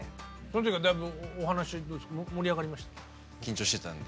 その時はだいぶお話盛り上がりました？